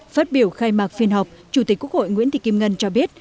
phát biểu khai mạc phiên họp chủ tịch quốc hội nguyễn thị kim ngân cho biết